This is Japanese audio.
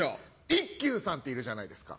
一休さんっているじゃないですか。